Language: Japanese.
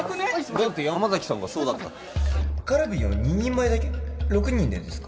だって山崎さんがそうだったのカルビを２人前だけ６人でですか？